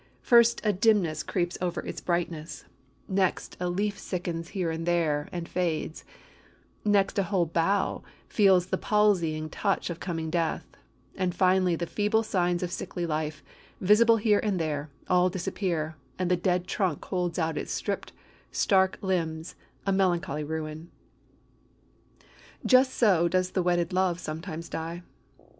First a dimness creeps over its brightness; next a leaf sickens here and there, and fades; next a whole bough feels the palsying touch of coming death; and finally the feeble signs of sickly life, visible here and there, all disappear, and the dead trunk holds out its stripped, stark limbs, a melancholy ruin. Just so does wedded love sometimes die.